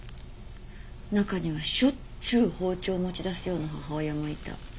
中にはしょっちゅう包丁を持ち出すような母親もいた。